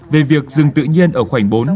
về việc rừng tự nhiên ở khoảnh bốn